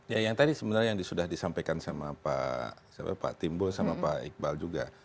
ya yang tadi sebenarnya yang sudah disampaikan sama pak timbul sama pak iqbal juga